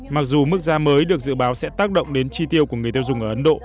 mặc dù mức giá mới được dự báo sẽ tác động đến chi tiêu của người tiêu dùng ở ấn độ